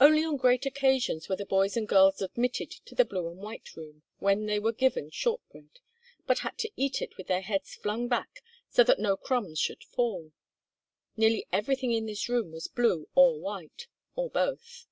Only on great occasions were the boys and girls admitted to the blue and white room, when they were given shortbread, but had to eat it with their heads flung back so that no crumbs should fall. Nearly everything in this room was blue or white, or both.